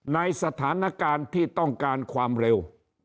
ในสถานการณ์ที่ต้องการความเร็ว